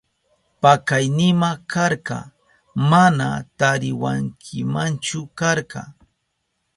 Pakaynima karka, mana tariwankimachu karka.